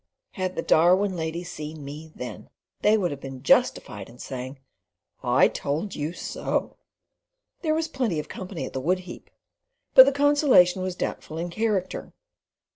Had the Darwin ladies seen me then, they would have been justified in saying, "I told you so." There was plenty of company at the wood heap, but the consolation was doubtful in character.